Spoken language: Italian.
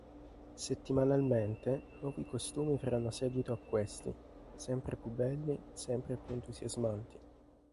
Settimanalmente nuovi costumi faranno seguito a questi, sempre più belli, sempre più entusiasmanti.